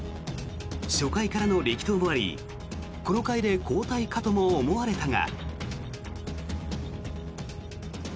初回からの力投もありこの回で交代かとも思われたが。